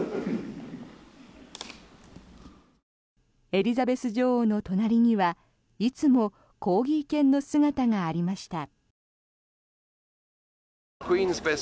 エリザベス女王の隣にはいつもコーギー犬の姿がありました。